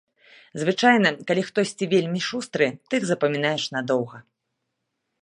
Звычайна, калі хтосьці вельмі шустры, тых запамінаеш надоўга.